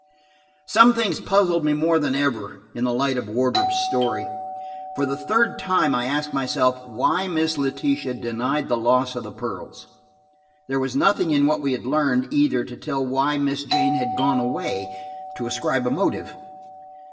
Some things puzzled me more than ever in the light of Wardrop's story. For the third time I asked myself why Miss Letitia denied the loss of the pearls. There was nothing in what we had learned, either, to tell why Miss Jane had gone away–to ascribe a motive.